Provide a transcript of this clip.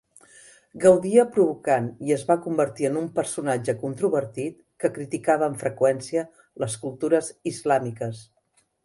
Gaudia provocant i es va convertir en un personatge controvertit que criticava amb freqüència les cultures islàmiques.